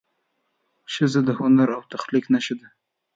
ښځه د هنر او تخلیق نښه ده.